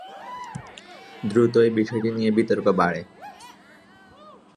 দ্রুতই বিষয়টি নিয়ে বিতর্ক বাড়ে।